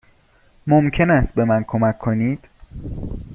ممکن است به من کمک کنید؟